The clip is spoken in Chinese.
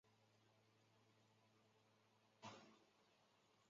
国民革命军于各方支持下坚持一个多月。